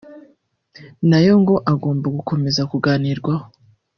nayo ngo agomba gukomeza kuganirwaho